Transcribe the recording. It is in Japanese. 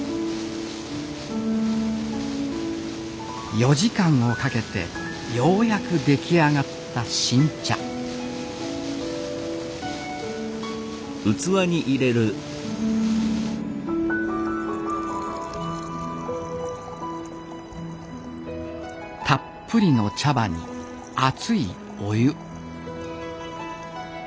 ４時間をかけてようやく出来上がった新茶たっぷりの茶葉に熱いお湯